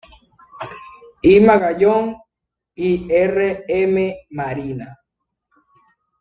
I. Magallón, y R. Mª Marina.